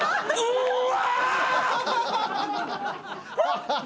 うわ！